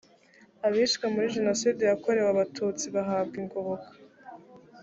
abishwe muri jenoside yakorewe abatutsi bahabwa ingoboka.